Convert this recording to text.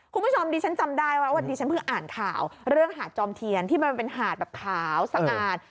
คุณผู้ชมดิฉันจำได้ว่าวันนี้ฉันเพิ่งอ่านข่าวเรื่องหาดจอมเทียนที่มันเป็นหาดแบบขาวสะอาด